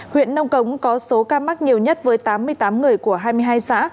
huyện nông cống có số ca mắc nhiều nhất với tám mươi tám người của hai mươi hai xã